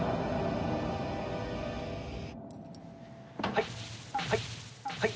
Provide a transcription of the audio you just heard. はいはいはい。